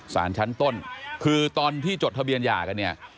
สารชั้นต้นคือตอนที่จดทะเบียนหย่ากันเนี่ย